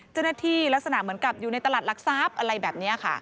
ลักษณะเหมือนกับอยู่ในตลาดหลักทรัพย์อะไรแบบนี้ค่ะ